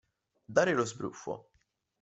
Dare lo sbruffo.